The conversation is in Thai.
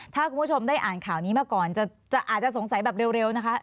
ถ้าคุณผู้ชมได้อ่านข่าวนี้มาก่อนอาจจะสงสัยแบบเร็วนะคะ